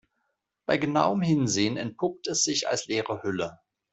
Bei genauerem Hinsehen entpuppt es sich als leere Hülle.